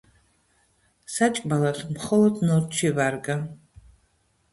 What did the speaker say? საჭმელად მხოლოდ ნორჩი ვარგა.